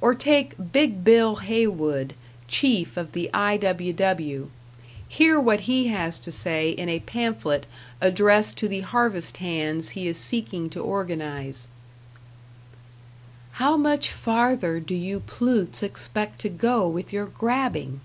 Or take "Big Bill" Haywood, chief of the I.W.W. Hear what he has to say in a pamphlet addressed to the harvest hands he is seeking to organize: How much farther do you plutes expect to go with your grabbing?